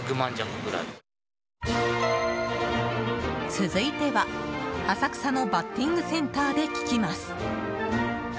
続いては、浅草のバッティングセンターで聞きます。